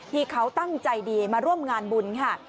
ที่เขาตั้งใจดีมาร่วมงานบุญค่ะ